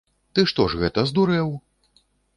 Ты што ж гэта, здурэў?!